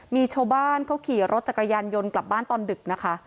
มีชาวบ้านเขาขี่รถจักรยานยนต์กลับบ้านตอนดึกนะคะ